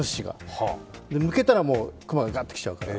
向けたらもう熊がガッと来ちゃうから。